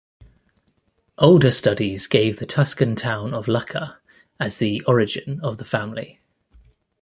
Older studies gave the Tuscan town of Lucca as the origin of the family.